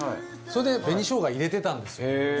それで紅しょうが入れてたんですよ。